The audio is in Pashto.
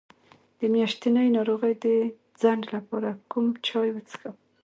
د میاشتنۍ ناروغۍ د ځنډ لپاره کوم چای وڅښم؟